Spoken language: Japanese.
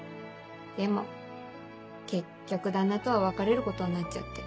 でも結局旦那とは別れることになっちゃって。